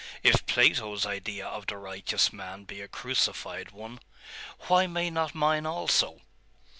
If Plato's idea of the righteous man be a crucified one, why may not mine also?